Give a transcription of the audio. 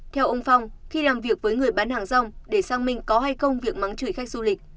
theo ông phong khi làm việc với người bán hàng rong để xăng minh có hay không việc mắng chửi khách du lịch